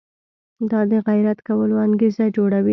دا د غیرت کولو انګېزه جوړوي.